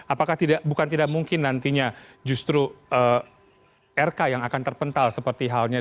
apakah bukan tidak mungkin nantinya justru rk yang akan terpental seperti halnya